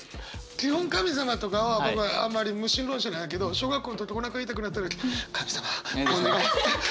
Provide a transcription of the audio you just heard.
基本神様とかは僕あんまり無神論者だけど小学校の時おなか痛くなった時神様お願い。